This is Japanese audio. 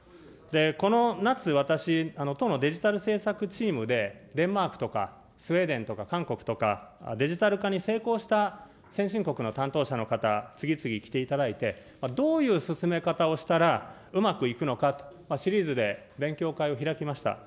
この夏、私、党のデジタル政策チームで、デンマークとかスウェーデンとか韓国とか、デジタル化に成功した先進国の担当者の方、次々、来ていただいて、どういう進め方をしたら、うまくいくのかと、シリーズで勉強会を開きました。